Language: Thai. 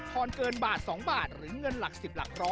อนเกินบาท๒บาทหรือเงินหลัก๑๐หลัก๑๐๐